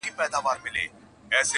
پر ټگانو چى يې جوړ طلا باران كړ،